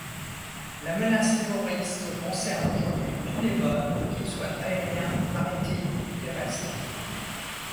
La menace terroriste concerne aujourd’hui tous les modes qu’ils soient aérien, maritime ou terrestre.